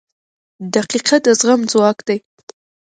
• دقیقه د زغم ځواک دی.